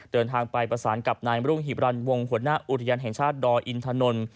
เดินทางไปประสานกับนายรุ่งหิบรันวงศ์หัวหน้าอุทยานแห่งชาติดอยอินทนนท์